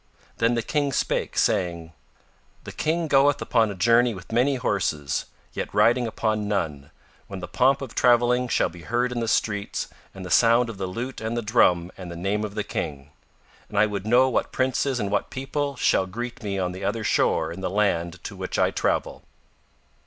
Then the King spake, saying: "The King goeth upon a journey with many horses, yet riding upon none, when the pomp of travelling shall be heard in the streets and the sound of the lute and the drum and the name of the King. And I would know what princes and what people shall greet me on the other shore in the land to which I travel."